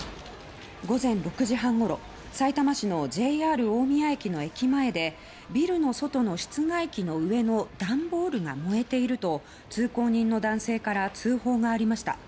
午前６時半ごろさいたま市のＪＲ大宮駅の駅前でビルの外の室外機の上の段ボールが燃えていると通行人の男性から通報がありました。